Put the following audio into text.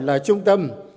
là trung tâm